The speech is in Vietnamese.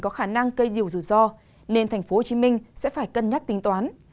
có khả năng cây diều dù do nên tp hcm sẽ phải cân nhắc tính toán